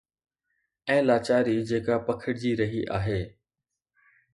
۽ لاچاري جيڪا پکڙجي رهي آهي.